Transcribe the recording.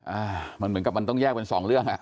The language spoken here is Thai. อ่ามันเหมือนกับมันต้องแยกเป็นสองเรื่องอ่ะ